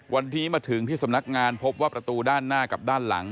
วันนี้มาถึงที่สำนักงานพบว่าประตูด้านหน้ากับด้านหลัง